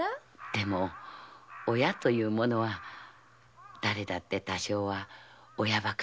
でも親というものは誰だって多少は親ばかになるものです。